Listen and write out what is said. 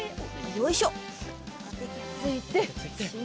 よいしょ。